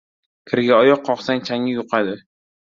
• Kirga oyoq qoqsang changgi yuqadi.